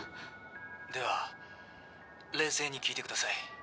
「では冷静に聞いてください」